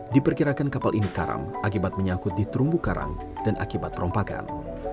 diperkirakan kapal ini karam akibat menyangkut di terumbu karang dan akibat perompakan